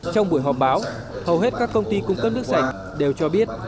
trong buổi họp báo hầu hết các công ty cung cấp nước sạch đều cho biết